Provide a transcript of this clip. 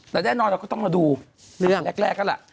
แต่แน่นอนเราก็ต้องมาดูเรื่องแรกแล้วล่ะ